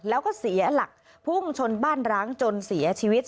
แล้วก็เสียหลักพุ่งชนบ้านร้างจนเสียชีวิต